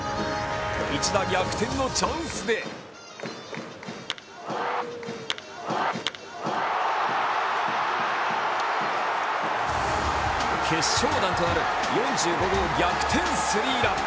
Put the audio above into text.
一打逆転のチャンスで決勝弾となる４５号逆転スリーラン。